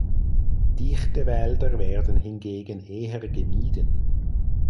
Dichte Wälder werden hingegen eher gemieden.